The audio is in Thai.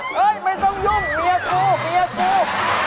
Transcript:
ไม่ต้องยุ่งเมียกูเมียกู